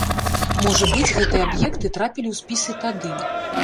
Можа быць, гэтыя аб'екты трапілі ў спісы тады.